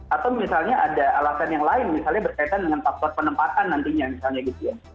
atau misalnya ada alasan yang lain misalnya berkaitan dengan faktor penempatan nantinya misalnya gitu ya